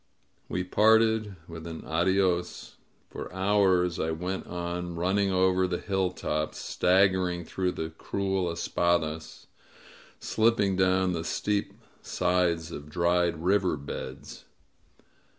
..." We parted with an adios. For hours I went on, running over the hilltops, stag gering through the cruel espadasy slipping down the steep sides of dried river beds.